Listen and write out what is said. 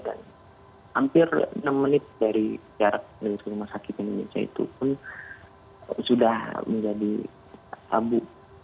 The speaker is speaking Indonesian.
dan hampir enam menit dari jarak rumah sakit indonesia itu pun sudah menjadi tabu